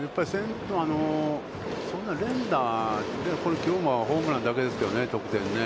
そんな連打で、きょうもホームランだけですよね、得点ね。